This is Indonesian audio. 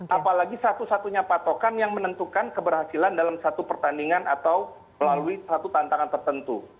apalagi satu satunya patokan yang menentukan keberhasilan dalam satu pertandingan atau melalui satu tantangan tertentu